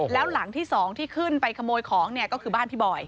แล้วหลังที่๒ที่ขึ้นไปขโมยของเนี่ยก็คือบ้านพี่บอย